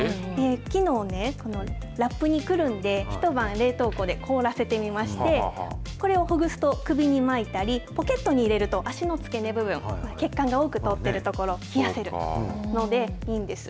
きのうね、ラップにくるんで、一晩、冷凍庫で凍らせてみまして、これをほぐすと、首に巻いたり、ポケットに入れると、脚の付け根部分、血管が多く通っている所を冷やせるので、いいんです。